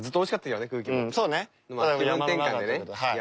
そうね。